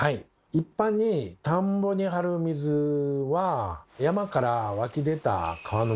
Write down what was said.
一般に田んぼに張る水は山から湧き出た川の水なんですね。